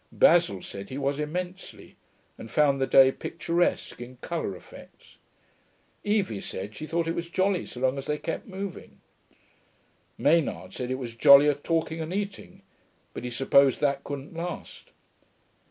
Basil said he was, immensely, and found the day picturesque in colour effects. Evie said she thought it was jolly so long as they kept moving. Maynard said it was jollier talking and eating, but he supposed that couldn't last.